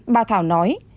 bà thảo nói